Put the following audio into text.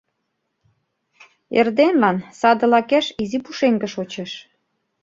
Эрденлан саде лакеш изи пушеҥге шочеш.